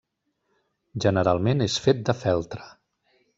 Generalment és fet de feltre.